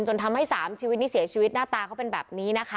จนทำให้๓ชีวิตนี้เสียชีวิตหน้าตาเขาเป็นแบบนี้นะคะ